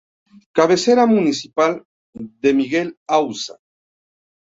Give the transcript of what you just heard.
Cabecera municipal de Miguel Auza.